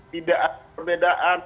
tidak ada perbedaan